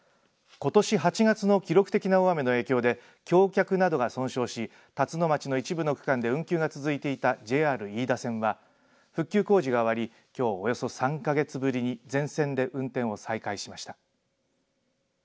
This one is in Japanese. ことし８月の記録的な大雨の影響で橋脚などが損傷し辰野町の一部の区間で運休が続いていたＪＲ飯田線は復旧工事が終わりきょう、およそ３か月ぶりに全線で運転を再開しました。